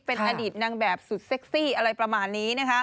เป็นอดีตนางแบบสุดเซ็กซี่อะไรประมาณนี้นะคะ